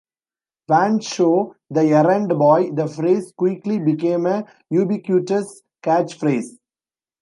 Van's show, "The Errand Boy": The phrase quickly became a ubiquitous catch-phrase.